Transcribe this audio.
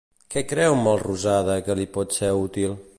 Què creu Melrosada que li pot ser útil?